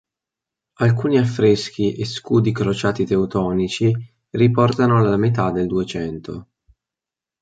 Alcuni affreschi e scudi crociati teutonici riportano alla metà del Duecento.